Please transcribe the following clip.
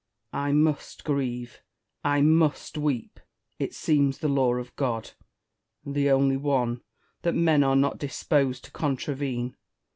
I must grieve, I must weep : it seems the law of God, and the only one that men are not disposed to contravene.